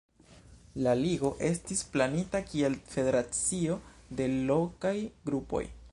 La Ligo estis planita kiel federacio de lokaj grupoj.